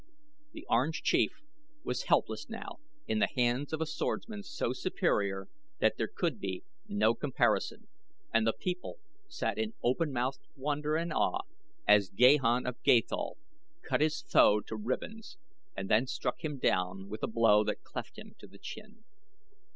The Orange Chief was helpless now in the hands of a swordsman so superior that there could be no comparison, and the people sat in open mouthed wonder and awe as Gahan of Gathol cut his foe to ribbons and then struck him down with a blow that cleft him to the chin.